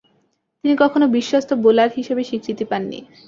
তিনি কখনো বিশ্বস্ত বোলার হিসেবে স্বীকৃতি পাননি।